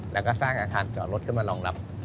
แล้วก็สร้างอาคารจอดรถขึ้นมารองรับ